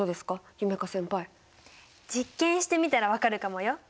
実験してみたら分かるかもよ。